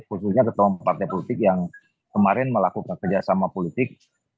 khususnya ketua partai politik yang kemarin melakukan kerjasama politik